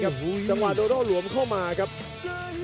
โอ้โหไม่พลาดกับธนาคมโด้แดงเขาสร้างแบบนี้